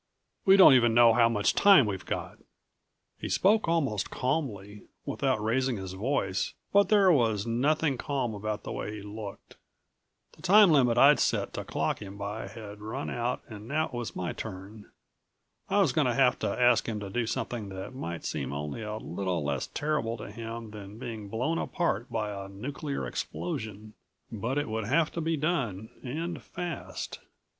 We don't even know how much time we've got!" He spoke almost calmly, without raising his voice, but there was nothing calm about the way he looked. The time limit I'd set to clock him by had run out and now it was my turn. I was going to have to ask him to do something that might seem only a little less terrible to him than being blown apart by a nuclear explosion. But it would have to be done and fast.